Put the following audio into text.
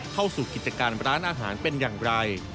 เข้าสู่กิจการร้านอาหารเป็นอย่างไร